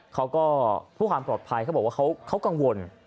เขาก็เพื่อความปลอดภัยเขาบอกว่าเขากังวล